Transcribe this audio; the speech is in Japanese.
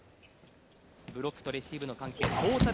ブロックとレシーブの関係トータル